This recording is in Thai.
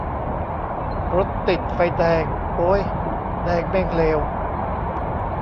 รถติดไฟแดง โอ๊ย แดงแม่งเลว